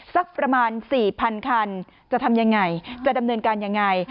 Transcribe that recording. สักประมาณ๔๐๐๐คันจะทำยังไงจะดำเนินการยังไง